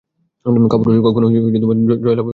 কাপুরুষেরা কখনও জয়লাভ করিতে পারে না।